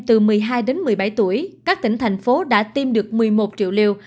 từ một mươi hai đến một mươi bảy tuổi các tỉnh thành phố đã tiêm được một mươi một triệu liều